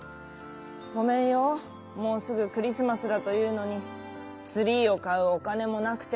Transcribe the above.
ごめんよもうすぐクリスマスだというのにツリーをかうおかねもなくて」。